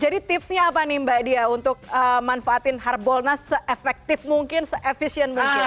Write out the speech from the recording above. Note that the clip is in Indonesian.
jadi tipsnya apa nih mbak diya untuk manfaatin harbonas se efektif mungkin se efisien mungkin